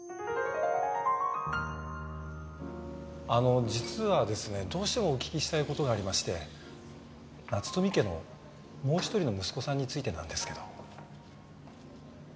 あの実はですねどうしてもお聞きしたい事がありまして夏富家のもう一人の息子さんについてなんですけど。